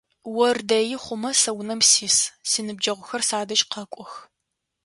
Ор дэи хъумэ сэ унэм сис, синыбджэгъухэр садэжь къэкӏох.